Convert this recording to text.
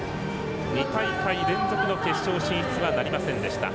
２大会連続の決勝進出はなりませんでした。